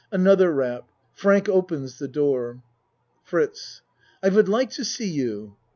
Another rap Frank opens the door.) FRITZ I would like to see you.